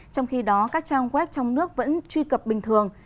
trong khi đó các trang web trong nước vẫn truy cập bình thường